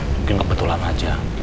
mungkin kebetulan aja